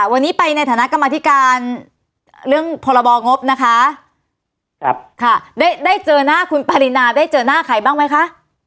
วันนี้ไปในฐานะกรรมธิการเรื่องพรบงบนะคะครับค่ะได้ได้เจอหน้าคุณปรินาได้เจอหน้าใครบ้างไหมคะ